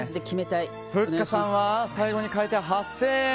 ふっかさんは最後に変えて８０００円。